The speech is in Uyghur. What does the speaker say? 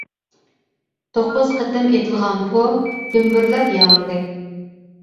توققۇز قېتىم ئېتىلغان «پو» گۈمبۈرلەپ ياڭرىدى.